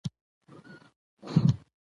د افغانستان ملت